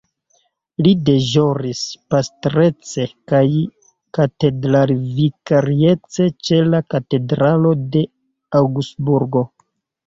Li deĵoris pastrece kaj katedralvikariece ĉe la Katedralo de Aŭgsburgo.